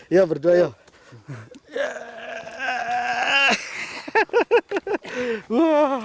ya berdua yuk